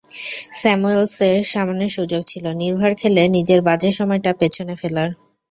স্যামুয়েলসের সামনে সুযোগ ছিল, নির্ভার খেলে নিজের বাজে সময়টা পেছনে ফেলার।